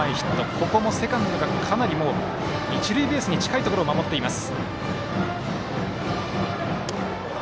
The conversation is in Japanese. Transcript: ここもセカンドが、かなり一塁ベースに近いところを守っています。